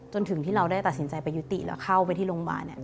จนถึงที่เราได้ตัดสินใจไปยุติแล้วเข้าไปที่โรงพยาบาลเนี่ย